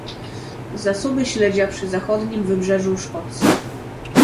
Zasoby śledzia przy zachodnim wybrzeżu Szkocji